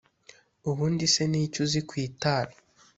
ubundi se ni iki uzi ku itabi